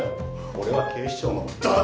俺は警視庁のダ。